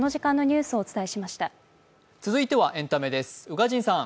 続いてはエンタメです。